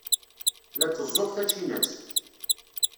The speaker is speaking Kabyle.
La tteẓẓuɣ tacinat.